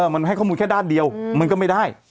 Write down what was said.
มันให้ข้อมูลแค่ด้านเดียวมันก็ไม่ได้